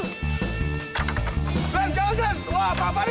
jalan jangan lari jangan lari